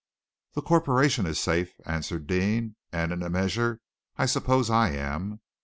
"The corporation is safe," answered Deane, "and in a measure, I suppose, I am.